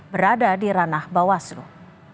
berada di ranah bawah seluruh